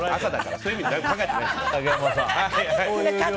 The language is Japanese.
そういう意味で考えてないですよ。